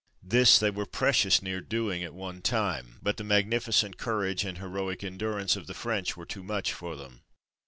This they were precious near doing at one time, but the magnificent courage and heroic endurance of the French were too much for them.